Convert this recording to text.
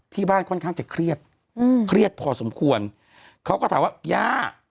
ค่อนข้างจะเครียดอืมเครียดพอสมควรเขาก็ถามว่าย่า